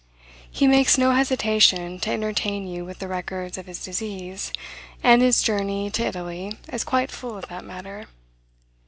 He makes no hesitation to entertain you with the records of his disease; and his journey to Italy is quite full of that matter.